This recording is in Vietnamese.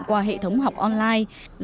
qua hệ thống học online